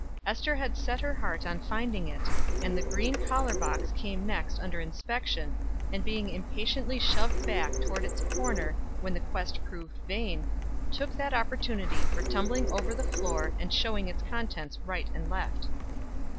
Ester had set her heart on finding it, and the green collar box came next under inspection, and being impatiently shoved back toward its corner when the quest proved vain, took that opportunity for tumbling over the floor and showering its contents right and left.